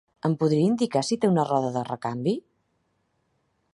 Em podria indicar si té una roda de recanvi?